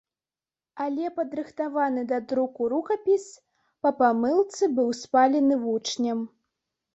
Але падрыхтаваны да друку рукапіс па памылцы быў спалены вучнем.